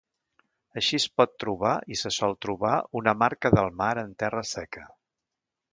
Així es pot trobar i se sol trobar una marca del mar en terra seca.